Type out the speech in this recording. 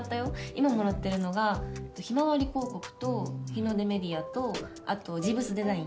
今もらってるのがえっとひまわり広告と日の出メディアと後ジーヴズ・デザイン。